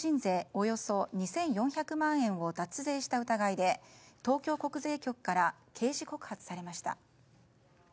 およそ２４００万円を脱税した疑いで東京国税局から刑事告発されました。